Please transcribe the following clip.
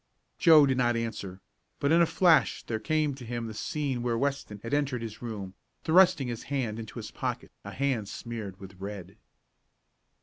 Joe did not answer, but in a flash there came to him the scene where Weston had entered his room, thrusting his hand into his pocket a hand smeared with red.